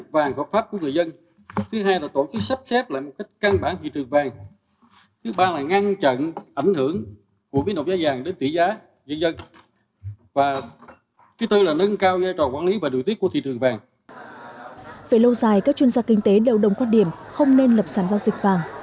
về lâu dài các chuyên gia kinh tế đều đồng quan điểm không nên lập sản giao dịch vàng